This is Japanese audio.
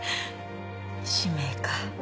使命か。